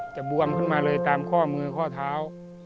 บวมขึ้นมาเลยตามข้อมือข้อเท้า